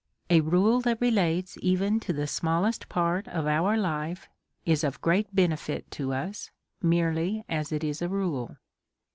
A rule that relates even to the smallest part of our life is of great benefit to us, merely as it is a rule.